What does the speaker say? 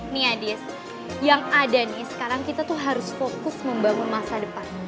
niadis yang ada nih sekarang kita tuh harus fokus membangun masa depan